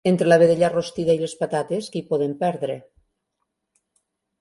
Entre la vedella rostida i les patates, què hi podem perdre?